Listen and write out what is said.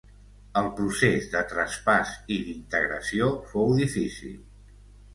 El procés de traspàs i d'integració fou difícil.